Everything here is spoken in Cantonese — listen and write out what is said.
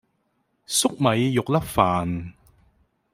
粟米肉粒飯